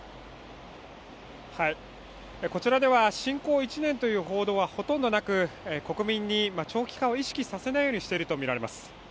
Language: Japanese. こちらでは侵攻１年という報道はほとんどなく国民に長期化を意識させないようにしているとみられます。